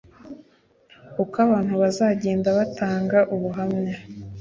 uko abantu bazagenda batanga ubuhamya